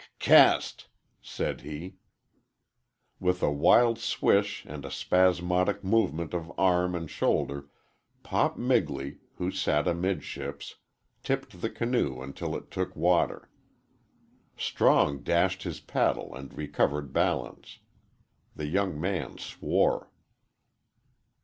"C cast," said he. With a wild swish and a spasmodic movement of arm and shoulder, "Pop" Migley, who sat amidships, tipped the canoe until it took water. Strong dashed his paddle and recovered balance. The young man swore.